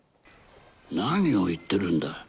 何を言ってるんだ。